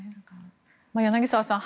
柳澤さん